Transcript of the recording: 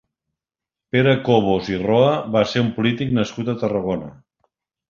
Pere Cobos i Roa va ser un polític nascut a Tarragona.